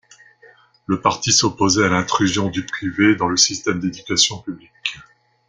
Le parti s'opposait à l'intrusion du privé dans le système d'éducation publique.